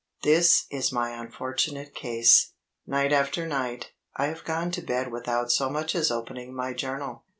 This is my unfortunate case. Night after night, I have gone to bed without so much as opening my Journal.